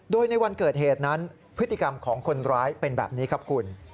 โดยในวันเกิดเหตุนั้นพฤติกรรมของคนร้ายเป็นแบบนี้ครับคุณ